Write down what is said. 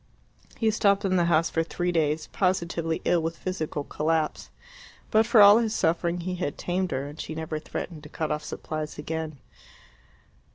He stopped in the house for three days, positively ill with physical collapse. But for all his suffering he had tamed her, and she never threatened to cut off supplies again.